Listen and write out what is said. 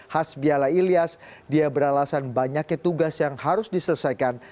hasbiala ilyas dia beralasan banyaknya tugas yang harus diselesaikan